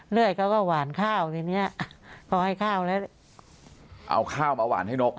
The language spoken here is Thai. เรื่อยเขาก็หวานข้าวทีนี้เขาให้ข้าวแล้ว